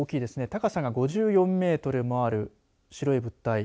高さが５４メートルもある白い物体。